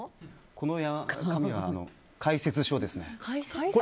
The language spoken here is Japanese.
この紙は解説書です。